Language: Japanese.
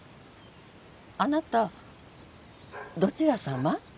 あなたどちらさま？